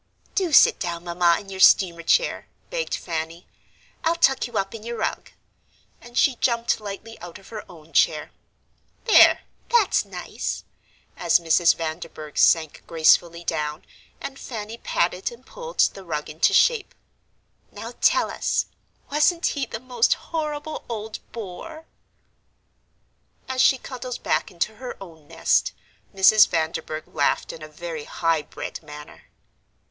"Do sit down, Mamma, in your steamer chair," begged Fanny; "I'll tuck you up in your rug." And she jumped lightly out of her own chair. "There, that's nice," as Mrs. Vanderburgh sank gracefully down, and Fanny patted and pulled the rug into shape. "Now tell us, wasn't he the most horrible old bore?" As she cuddled back into her own nest, Mrs. Vanderburgh laughed in a very high bred manner.